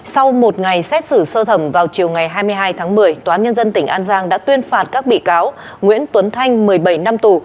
sau một ngày xét xử sơ thẩm vào chiều ngày hai mươi hai tháng một mươi tòa án nhân dân tỉnh an giang đã tuyên phạt các bị cáo nguyễn tuấn thanh một mươi bảy năm tù